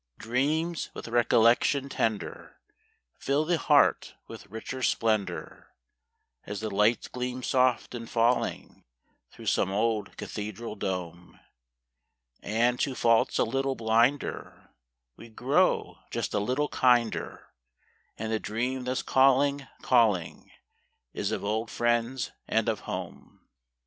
D REAMS \9ith recollection tender Fill the Heart Ntfith richer ' splendor, As the light gleams soft in jullinq Through some ola cathedral dome ; And, to faults a little blinder, ADe gt'oxtf just a little hinder, And the dream that's call inq, calling , old friends and o home.